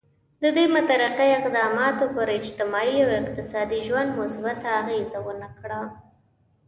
دې مترقي اقداماتو پر اجتماعي او اقتصادي ژوند مثبته اغېزه ونه کړه.